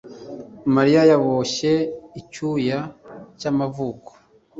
Mariya yaboshye icyuya cyamavuko.